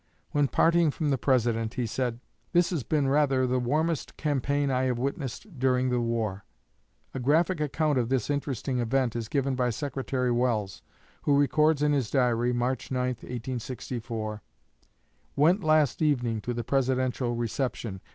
When parting from the President, he said, 'This has been rather the warmest campaign I have witnessed during the war.'" A graphic account of this interesting event is given by Secretary Welles, who records in his Diary (March 9, 1864): "Went last evening to the Presidential reception.